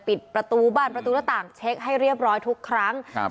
ปิดประตูบ้านประตูหน้าต่างเช็คให้เรียบร้อยทุกครั้งครับ